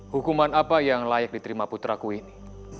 hukuman apa yang layak diterima putraku ini